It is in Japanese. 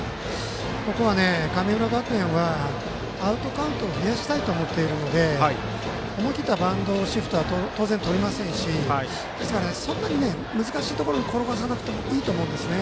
ここは、神村学園はアウトカウントを増やしたいと思っているので思い切ったバントシフトは当然とりませんしですから、そんなに難しいところに転がさなくてもいいと思うんですね。